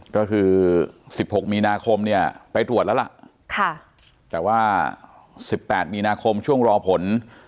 ก็คือ๑๖มีนาคมเนี่ยไปตรวจแล้วล่ะแต่ว่า๑๘มีนาคมช่วงรอผล